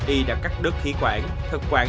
y đã cắt đứt khí quản thật quản